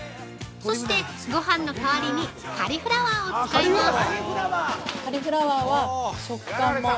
そして、ごはんの代わりにカリフラワーを使います。